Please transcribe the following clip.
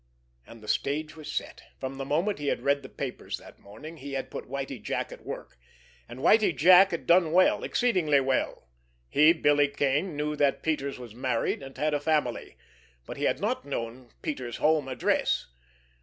And the stage was set. From the moment he had read the papers that morning, he had put Whitie Jack at work—and Whitie Jack had done well, exceedingly well. He, Billy Kane, knew that Peters was married and had a family, but he had not known Peters' home address.